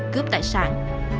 cướp tài sản